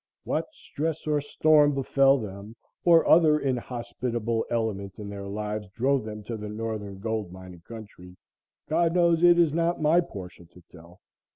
What stress or storm befell them, or other inhospitable element in their lives drove them to the northern gold mining country, God knows it is not my portion to tell.